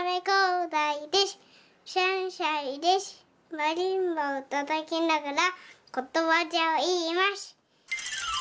マリンバをたたきながらことわざをいいます！